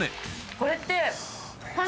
これって。